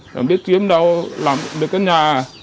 không biết kiếm đâu làm được cái nhà